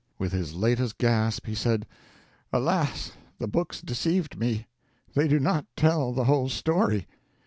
With his latest gasp he said, "Alas, the books deceived me; they do not tell the whole story.